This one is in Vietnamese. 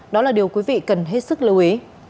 đó là điều quý vị cần hết sức lưu ý